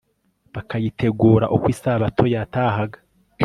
bakayitegura uko isabato yatahaga